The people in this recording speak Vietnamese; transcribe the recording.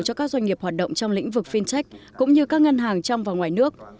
cho các doanh nghiệp hoạt động trong lĩnh vực fintech cũng như các ngân hàng trong và ngoài nước